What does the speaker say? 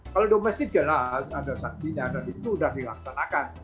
kalau domestik jelas ada sanksinya dan itu sudah dilaksanakan